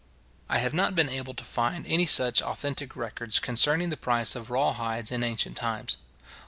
I have not been able to find any such authentic records concerning the price of raw hides in ancient times.